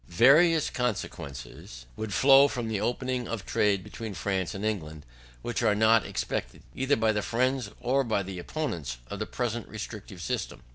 Various consequences would flow from opening the trade between France and England, which are not expected, either by the friends or by the opponents of the present restrictive system.